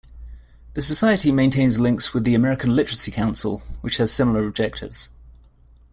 The Society maintains links with the American Literacy Council, which has similar objectives.